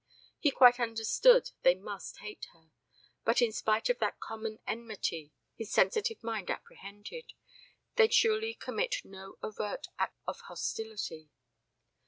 He quite understood they must hate her, but in spite of that common enmity his sensitive mind apprehended, they'd surely commit no overt act of hostility.